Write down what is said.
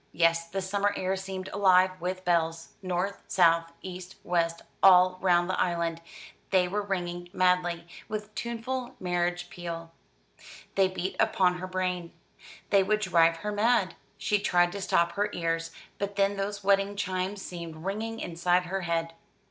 Yes, the summer air seemed alive with bells. North, south, east, west, all round the island, they were ringing madly, with tuneful marriage peal. They beat upon her brain. They would drive her mad. She tried to stop her ears, but then those wedding chimes seemed ringing inside her head.